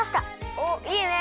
おっいいね。